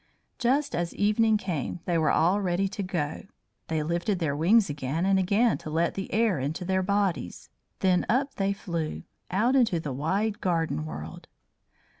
Just as evening came they were all ready to go. They lifted their wings again and again to let the air into their bodies, then up they flew, out into the wide garden world.